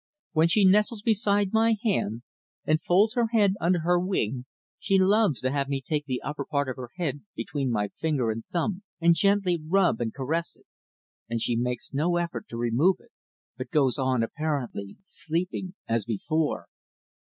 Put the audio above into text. "When she nestles beside my hand and folds her head under her wing, she loves to have me take the upper part of her head between my finger and thumb and gently rub and caress it, and she makes no effort to remove it, but goes on apparently sleeping as before."